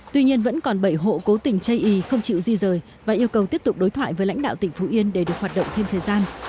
tuy nhiên vẫn còn bảy hộ cố tình chây ý không chịu di rời và yêu cầu tiếp tục đối thoại với lãnh đạo tỉnh phú yên để được hoạt động thêm thời gian